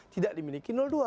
tidak dimiliki dua